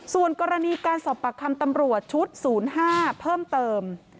ส่วนกรณีการสอบปากคำตำรวจชุด๐๕เพิ่มเติม